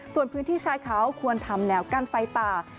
ส่วนพื้นที่ชายเขาควรทำแนวกั้นไฟป่า